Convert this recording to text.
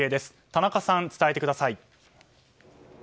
田中さん、伝えてください。